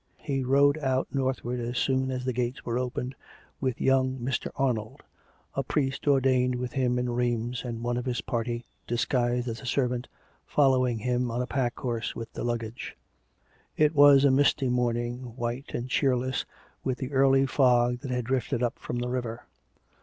He rode out northward as soon as the gates were opened, with young " Mr. Arnold," a priest ordained with him in Rheims, and one of his party, disguised as a servant, following him on a pack horse with the luggage. It was a misty morning, white and cheerless, with the early fog that had drifted up from the river.